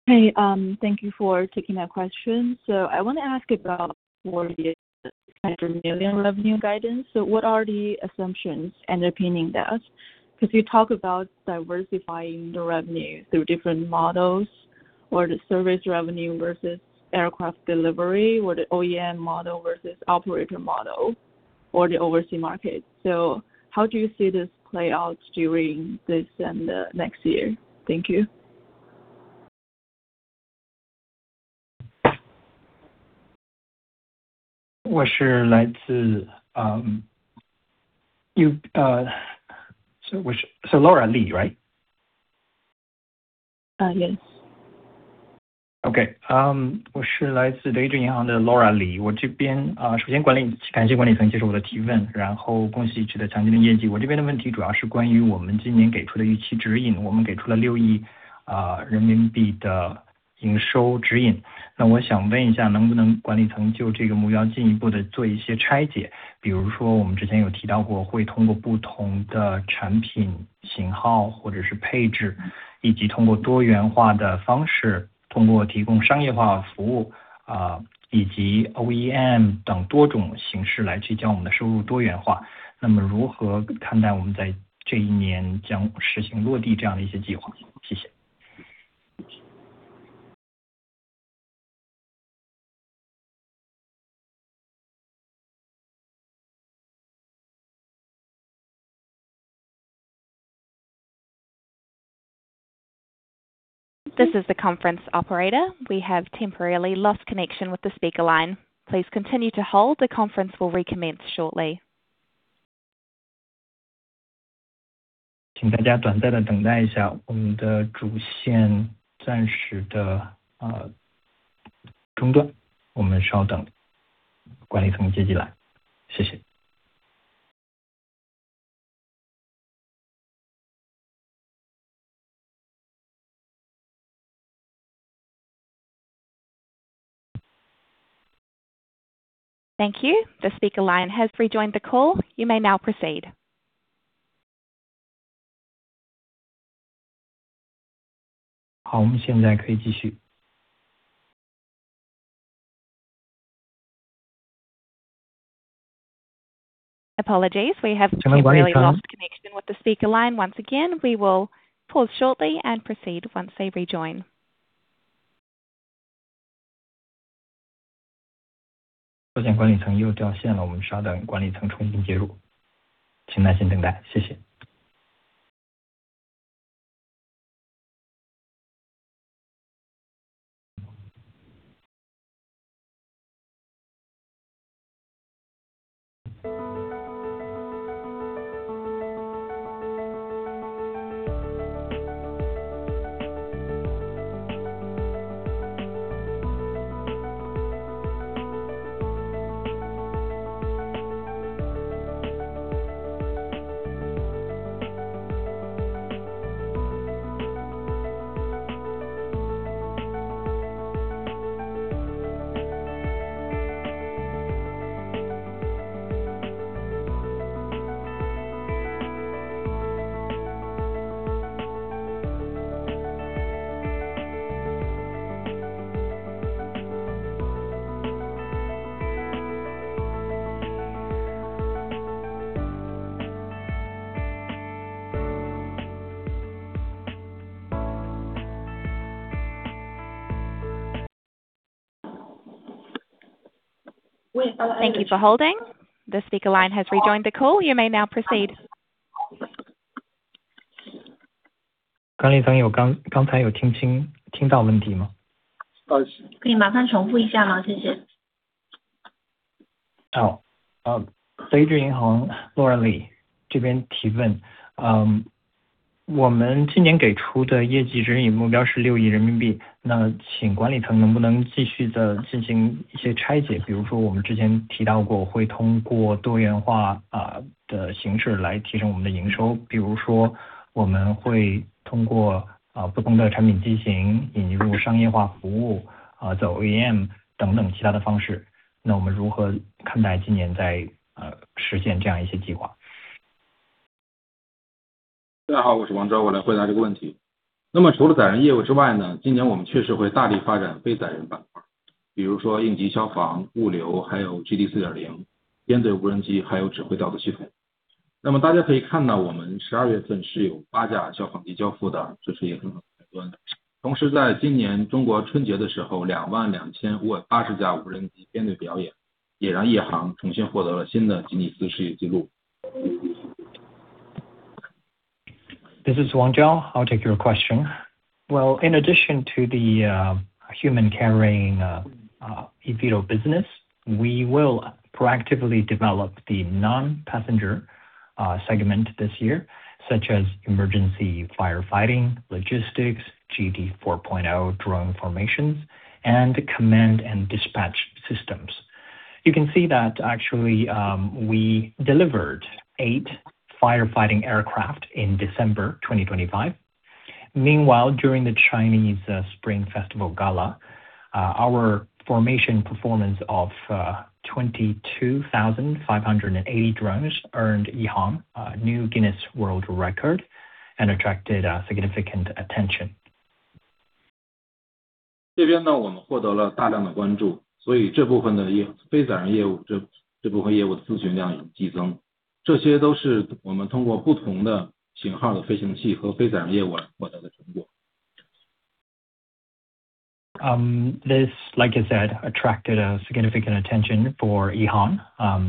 [SPEAKER 10] Thank you for taking my question. I want to ask about the 600 million revenue guidance. What are the assumptions underpinning that? Because you talk about diversifying the revenue through different models, or the service revenue versus aircraft delivery, or the OEM model versus operator model, or the overseas market. How do you see this play out during this and next year? Thank you.
[SPEAKER 8] Laura Li, right?
[SPEAKER 10] Yes.
[SPEAKER 8] OK。
[SPEAKER 10] 我是来自德意志银行的Laura Li，首先感谢管理层接受我的提问，恭喜取得亮眼的业绩。我这边的问题主要是关于我们今年给出的预期指引，我们给出了人民币六亿的营收指引。那我想问一下，能不能请管理层就这个目标进一步做一些拆解，比如说我们之前有提到过，会通过不同的产品型号或者是配置，以及通过多元化的方式，通过提供商业化服务，以及OEM等多种形式来将我们的收入多元化。那么如何看待我们在这一年将实行落地这样的一些计划？谢谢。
[SPEAKER 1] This is the conference operator. We have temporarily lost connection with the speaker line. Please continue to hold. The conference will recommence shortly. 请大家短暂地等待一下，我们的主线暂时中断，我们稍等管理层接进来。谢谢。Thank you. The speaker line has rejoined the call. You may now proceed. 好，我们现在可以继续。Apologies. We have temporarily lost connection with the speaker line once again. We will pause shortly and proceed once they rejoin.
[SPEAKER 7] 管理层又掉线了，我们稍等管理层重新接入。请耐心等待。谢谢。
[SPEAKER 1] Thank you for holding. The speaker line has rejoined the call. You may now proceed.
[SPEAKER 7] 管理层有刚才有听清，听到问题吗？
[SPEAKER 5] 可以麻烦重复一下吗？谢谢。
[SPEAKER 10] 瑞银银行 Laura Li 这边提问。我们今年给出的业绩指引目标是六亿人民币，那请管理层能不能继续进行一些拆解，比如说我们之前提到过，会通过多元化的形式来提升我们的营收，比如说我们会通过不同的产品机型引入商业化服务，走 AAM 等等其他的方式，那我们如何看待今年在实现这样一些计划？
[SPEAKER 8] This is Zhao Wang. I'll take your question. Well, in addition to the human carrying eVTOL business, we will proactively develop the non-passenger segment this year, such as emergency firefighting, logistics, GD 4.0 drone formations, and command and dispatch systems. You can see that actually we delivered eight firefighting aircraft in December 2025. Meanwhile, during the China Spring Festival Gala, our formation performance of 22,580 drones earned EHang a new Guinness World Records and attracted significant attention.
[SPEAKER 5] 这边呢，我们获得了大量的关注，所以这部分的业，非载人业务这，这部分业务的咨询量也激增。这些都是我们通过不同的型号的飞行器和非载人业务而获得的结果。
[SPEAKER 8] This, like I said, attracted a significant attention for EHang,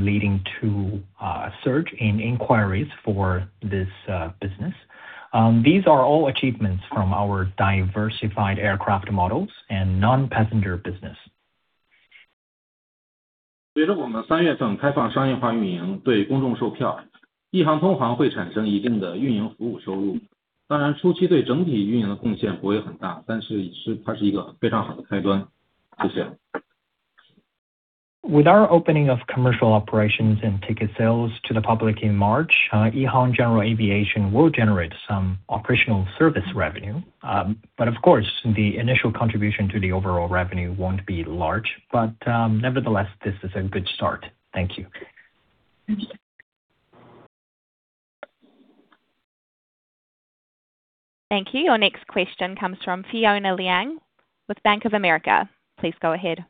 [SPEAKER 8] leading to surge in inquiries for this business. These are all achievements from our diversified aircraft models and non-passenger business. With our opening of commercial operations and ticket sales to the public in March, EHang General Aviation will generate some operational service revenue. Of course, the initial contribution to the overall revenue won't be large. Nevertheless, this is a good start. Thank you.
[SPEAKER 1] Thank you. Your next question comes from Fiona Liang with Bank of America. Please go ahead.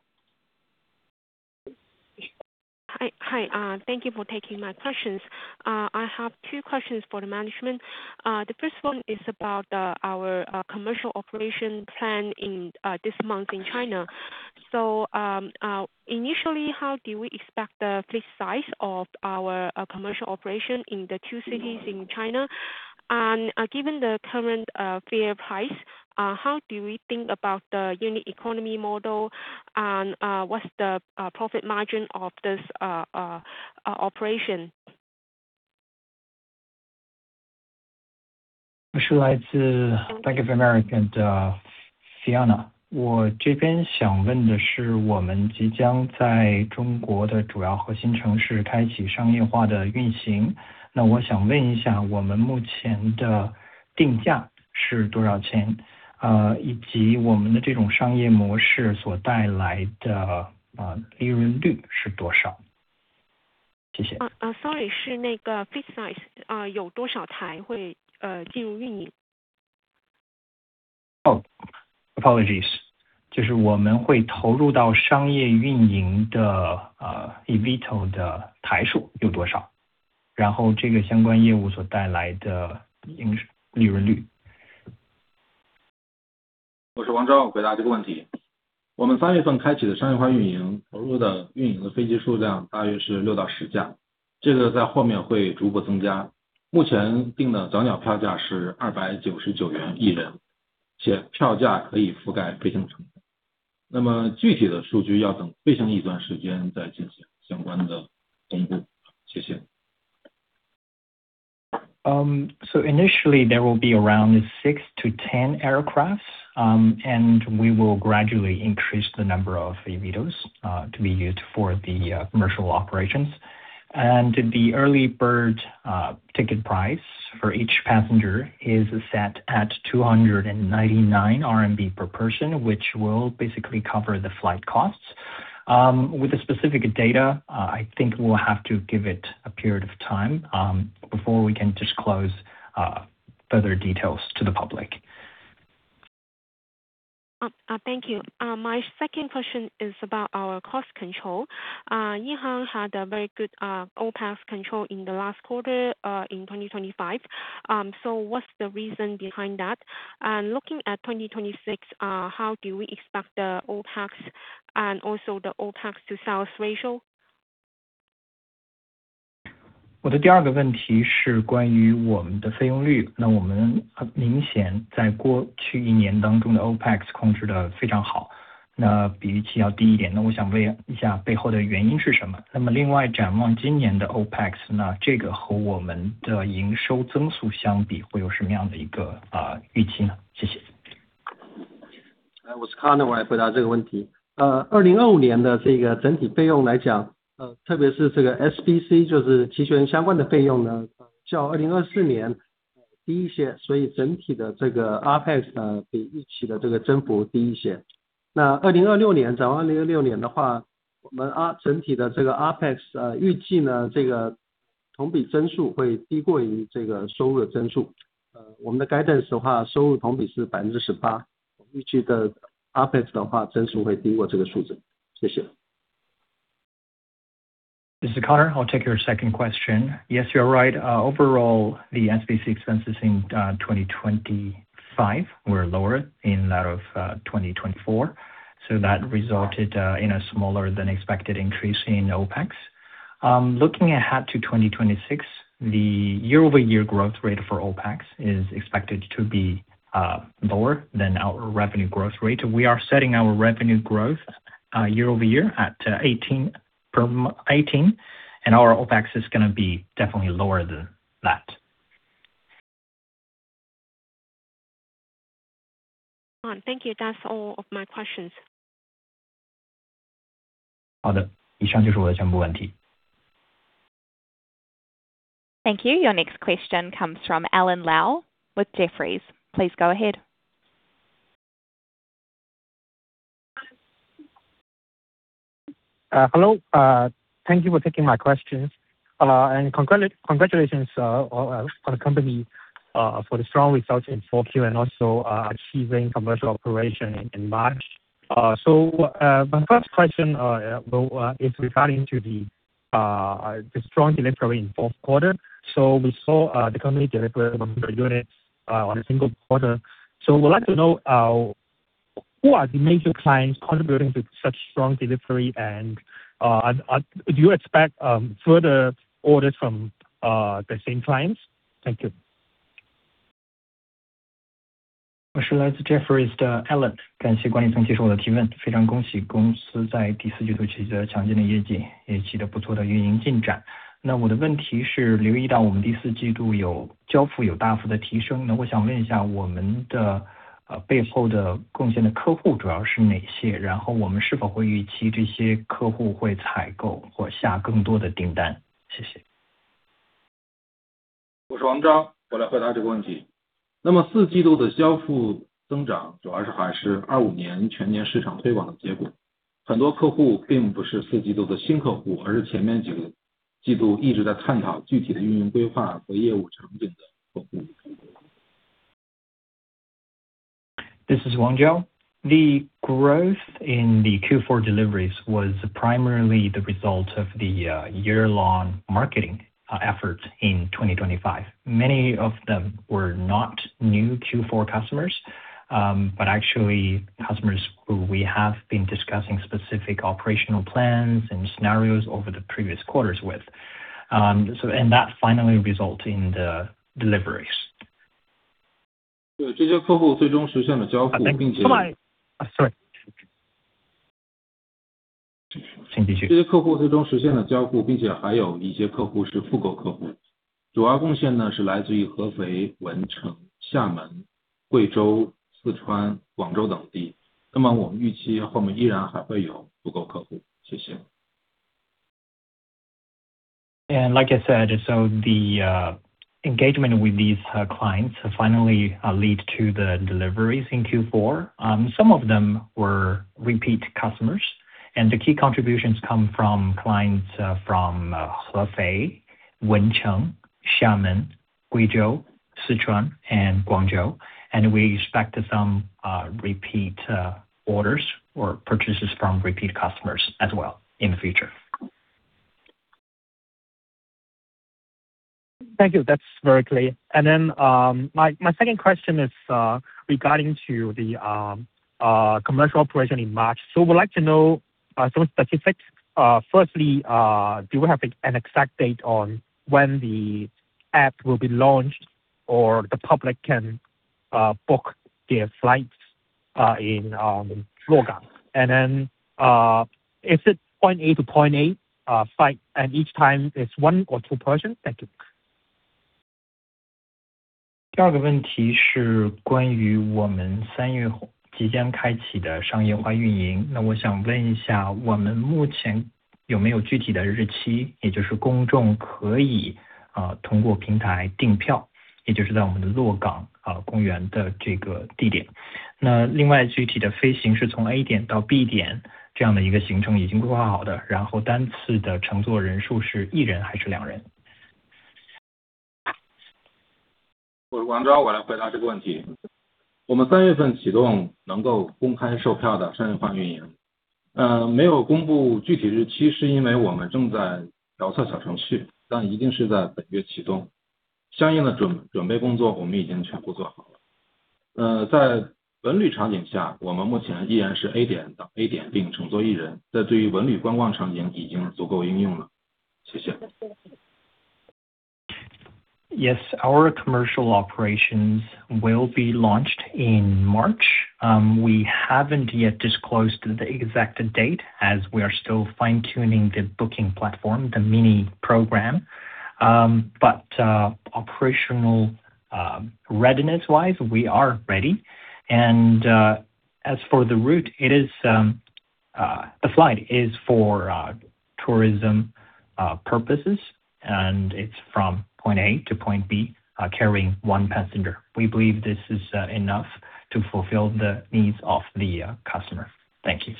[SPEAKER 11] Hi. Thank you for taking my questions. I have two questions for the management. The first one is about our commercial operation plan in this month in China. Initially, how do we expect the fleet size of our commercial operation in the two cities in China? Given the current fare price, how do we think about the unit economics model and what's the operation? 我是来自Bank of America的Fiona Liang。我这边想问的是，我们即将在中国的主要核心城市开启商业化的运行，那我想问一下，我们目前的定价是多少钱，以及我们的这种商业模式所带来的利润率是多少？谢谢。sorry，是那个fleet size，有多少台会进入运营。就是我们会投入到商业运营的eVTOL的台数有多少，然后这个相关业务所带来的营收利润率。
[SPEAKER 5] 我是王昭，回答这个问题。我们三月份开启的商业化运营，投入运营的飞机数量大约是六到十架，这个在后面会逐步增加。目前定的早鸟票价是¥299元一人，且票价可以覆盖飞行成本。那么具体的数据要等飞行一段时间再进行相关的公布。谢谢。
[SPEAKER 8] Initially there will be around 6-10 aircrafts, and we will gradually increase the number of eVTOLs to be used for the commercial operations. The early bird ticket price for each passenger is set at 299 RMB per person, which will basically cover the flight costs. With the specific data, I think we'll have to give it a period of time before we can disclose further details to the public.
[SPEAKER 11] Thank you. My second question is about our cost control. EHang had a very good OPEX control in the last quarter in 2025. What's the reason behind that? Looking at 2026, how do we expect the OPEX and also the OPEX to sales ratio?
[SPEAKER 8] This is Conor. I'll take your second question. Yes, you're right. Overall, the SBC expenses in 2025 were lower than that of 2024, so that resulted in a smaller-than-expected increase in OPEX. Looking ahead to 2026, the year-over-year growth rate for OPEX is expected to be lower than our revenue growth rate. We are setting our revenue growth year over year at 18%, and our OPEX is going to be definitely lower than that.
[SPEAKER 11] Thank you. That's all of my questions. 好的，以上就是我的全部问题。
[SPEAKER 1] Thank you. Your next question comes from Alan Lau with Jefferies. Please go ahead.
[SPEAKER 12] Hello. Thank you for taking my questions. Congratulations on the company for the strong results in Q4 and also achieving commercial operation in March. My first question is regarding the strong delivery in fourth quarter. We saw the company deliverable units on a single quarter. Would like to know who are the major clients contributing to such strong delivery? And do you expect further orders from the same clients? Thank you.
[SPEAKER 8] 我是来自Jefferies的Alan，感谢管理层接受我的提问。非常恭喜公司在第四季度取得强劲的业绩，也取得不错的运营进展。那我的问题是，留意到我们第四季度有交付有大幅的提升，那我想问一下我们的背后的贡献的客户主要是哪些？然后我们是否会预期这些客户会采购或下更多的订单？谢谢。This is Zhao Wang. The growth in the Q4 deliveries was primarily the result of the year-long marketing efforts in 2025. Many of them were not new Q4 customers, but actually customers who we have been discussing specific operational plans and scenarios over the previous quarters with, and that finally results in the deliveries.
[SPEAKER 5] 对，这些客户最终实现了交付，并且
[SPEAKER 8] Sorry.
[SPEAKER 12] 请继续。
[SPEAKER 5] 这些客户最终实现了交付，并且还有一些客户是复购客户。主要贡献呢，是来自于合肥、文成、厦门、贵州、四川、广州等地。那么我们预期后面依然还会有复购客户，谢谢。
[SPEAKER 8] Like I said, the engagement with these clients finally lead to the deliveries in Q4. Some of them were repeat customers, and the key contributions come from clients from Hefei, Wencheng, Xiamen, Guizhou, Sichuan, and Guangzhou. We expect some repeat orders or purchases from repeat customers as well in the future.
[SPEAKER 12] Thank you. That's very clear. My second question is regarding to the commercial operation in March. We'd like to know some specifics. Firstly, do you have an exact date on when the app will be launched or the public can book their flights in Luogang? Is it point A to point B flight, and each time it's one or two person? Thank you.
[SPEAKER 8] Yes, our commercial operations will be launched in March. We haven't yet disclosed the exact date as we are still fine-tuning the booking platform, the mini program. Operational readiness-wise, we are ready. As for the route, the flight is for tourism purposes, and it's from point A to point B, carrying one passenger. We believe this is enough to fulfill the needs of the customer. Thank you.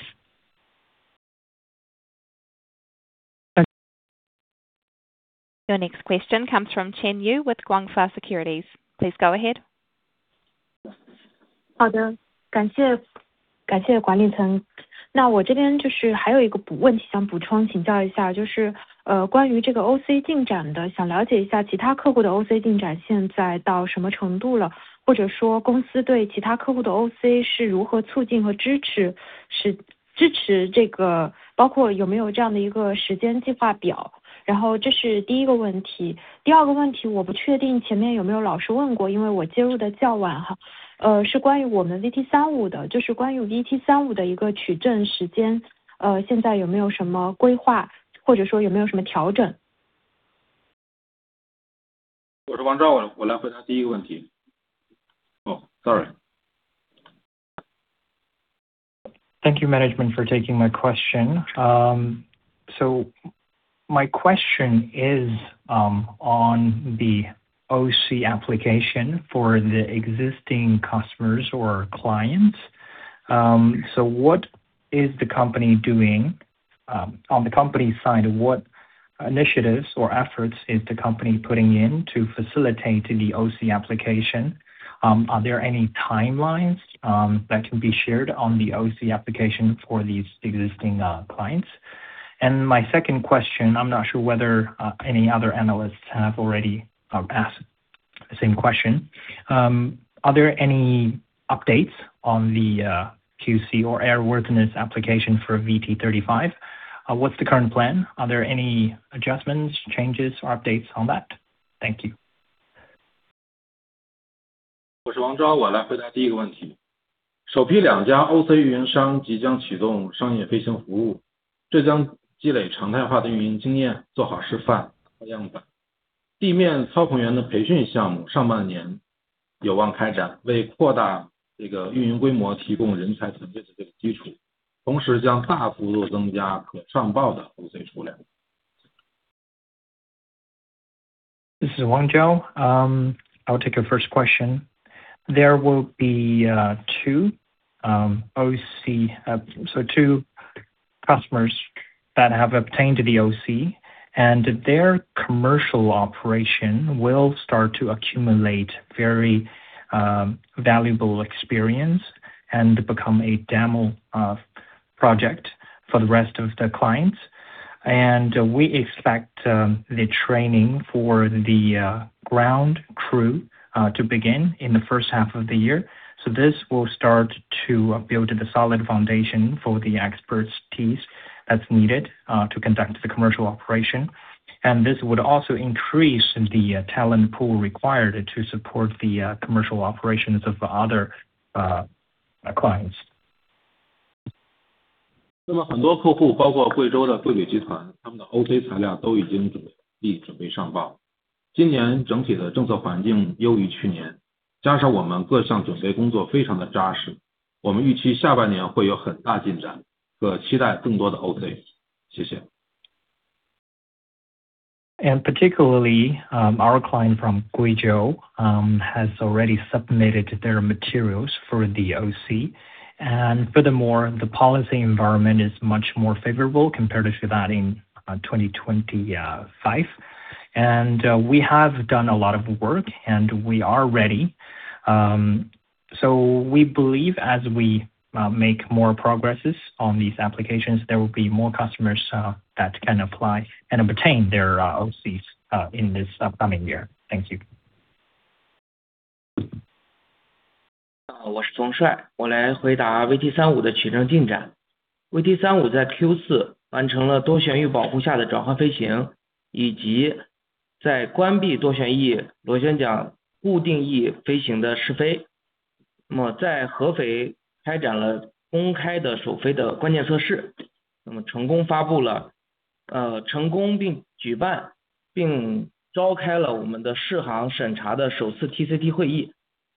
[SPEAKER 1] Your next question comes from Yu Chen with GF Securities. Please go ahead.
[SPEAKER 13] 好的，感谢管理层。我这边还有一个补充问题想请教一下，关于OC进展的，想了解一下其他客户的OC进展现在到什么程度了，或者说公司对其他客户的OC是如何促进和支持的，包括有没有这样的一个时间计划表，这是第一个问题。第二个问题我不确定前面有没有老师问过，因为我接入的较晚。是关于VT-35的，就是关于VT-35的取证时间，现在有没有什么规划，或者说有没有什么调整。
[SPEAKER 5] 我是王昭，我来回答第一个问题。Oh, sorry.
[SPEAKER 13] Thank you, management, for taking my question. My question is on the AOC application for the existing customers or clients. What is the company doing on the company side? What initiatives or efforts is the company putting in to facilitate the AOC application? Are there any timelines that can be shared on the AOC application for these existing clients? My second question, I'm not sure whether any other analysts have already asked the same question. Are there any updates on the TC or airworthiness application for VT-35? What's the current plan? Are there any adjustments, changes, or updates on that? Thank you.
[SPEAKER 5] 我是王昭，我来回答第一个问题。首批两家OC运营商即将启动商业飞行服务，这将积累常态化的运营经验，做好示范和样板。地面操控员的培训项目上半年有望开展，为扩大这个运营规模提供人才储备的这个基础，同时将大幅度增加可上报的OC数量。
[SPEAKER 8] This is Zhao Wang. I'll take your first question. There will be two AOC, so two customers that have obtained the AOC, and their commercial operation will start to accumulate very valuable experience and become a demo project for the rest of the clients. We expect the training for the ground crew to begin in the first half of the year. This will start to build the solid foundation for the expertise that's needed to conduct the commercial operation. This would also increase the talent pool required to support the commercial operations of other clients.
[SPEAKER 5] 那么很多客户，包括贵州的贵飞集团，他们的OC材料都已经准备，已准备上报。今年整体的政策环境优于去年，加上我们各项准备工作非常的扎实，我们预期下半年会有很大进展，可期待更多的OC。谢谢。
[SPEAKER 8] Particularly, our client from Guizhou has already submitted their materials for the OC. Furthermore, the policy environment is much more favorable compared to that in 2025. We have done a lot of work and we are ready. We believe as we make more progresses on these applications, there will be more customers that can apply and obtain their OCs in this upcoming year. Thank you.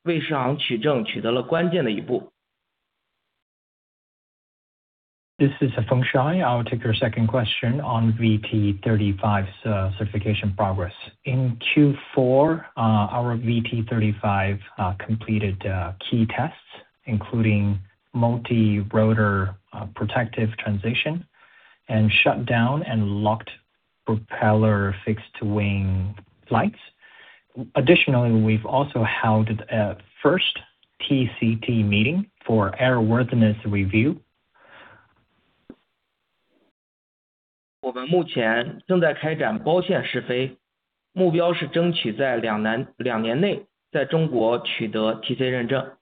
[SPEAKER 8] This is Shuai Feng. I'll take your second question on VT-35's certification progress. In Q4, our VT-35 completed key tests including multi-rotor protective transition and shut down and locked propeller fixed-wing flights. Additionally, we've also held a first TCT meeting for airworthiness review.
[SPEAKER 4] 我们目前正在开展包线试飞，目标是争取在两年内在中国取得TC认证。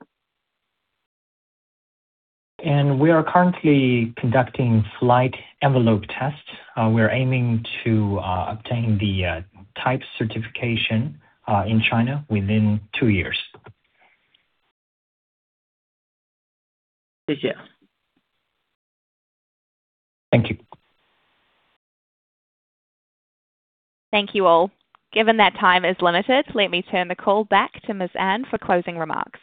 [SPEAKER 8] We are currently conducting flight envelope tests. We are aiming to obtain the type certification in China within two years.
[SPEAKER 4] 谢谢。
[SPEAKER 8] Thank you.
[SPEAKER 1] Thank you all. Given that time is limited, let me turn the call back to Ms. Anne for closing remarks.